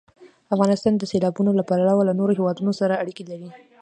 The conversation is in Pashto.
افغانستان د سیلابونه له پلوه له نورو هېوادونو سره اړیکې لري.